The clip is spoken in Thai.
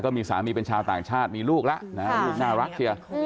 มีสามีเป็นชาวต่างชาติมีลูกแล้วลูกน่ารักเชียว